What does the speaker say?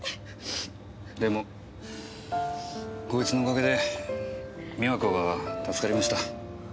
でもこいつのおかげで美和子が助かりました。